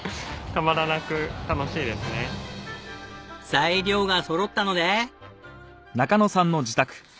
材料がそろったので。